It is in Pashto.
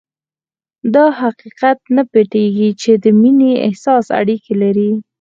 دا حقيقت نه پټېږي چې د مينې احساس اړيکې لري.